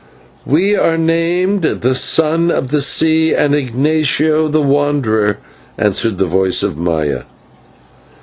"We are named 'the Son of the Sea' and 'Ignatio the Wanderer,'" answered the voice of Maya.